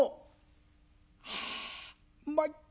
あうまい。